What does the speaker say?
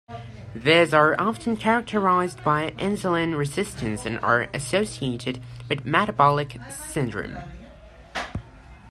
These are often characterized by insulin resistance and are associated with metabolic syndrome.